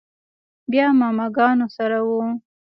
بيا ماما ګانو سره و.